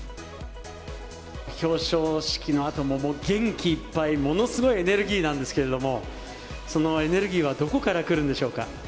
表彰式のあとも、元気いっぱい、ものすごいエネルギーなんですけれども、そのエネルギーはどこから来るんでしょうか。